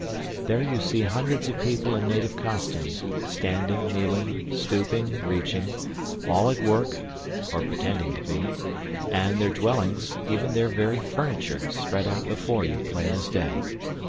There you see hundreds of people in native costumes, standing, kneeling, stooping, reaching all at work, or pretending to be and their dwellings, even their very furniture, spread out before you, plain as day.